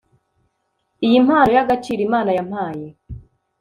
iyi mpano yagaciro imana yampaye